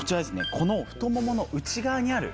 この太ももの内側にある筋肉です。